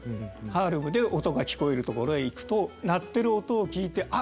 ハーレムで音が聞こえるところへ行くと鳴ってる音を聞いてあ